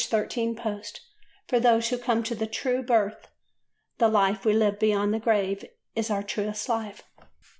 13 post), for those who come to the true birth the life we live beyond the grave is our truest life.